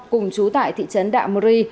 cùng chú tại thị trấn đạm rì